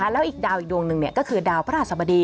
แล้วอีกดาวอีกดวงหนึ่งก็คือดาวพระราชสบดี